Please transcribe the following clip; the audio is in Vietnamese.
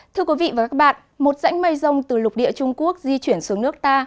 thưa quý vị và các bạn một rãnh mây rông từ lục địa trung quốc di chuyển xuống nước ta